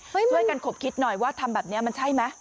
ช่วยกันขบคิดหน่อยว่าทำแบบนี้มันใช่ไหม